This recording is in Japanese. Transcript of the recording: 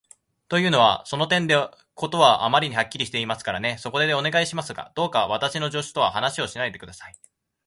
というのは、その点では事はあまりにはっきりしていますからね。そこで、お願いしますが、どうか私の助手とは話をしないで下さい。